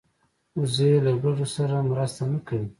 وزې له ګډو سره مرسته نه کوي